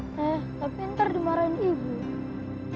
eh tapi ntar dimarahin ibu